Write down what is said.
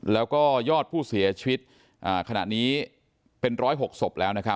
แล้วก็ยอดผู้เสียชีวิตขณะนี้เป็น๑๐๖ศพแล้วนะครับ